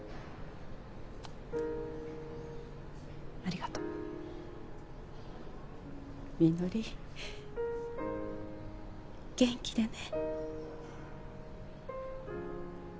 ありがとう実梨元気でね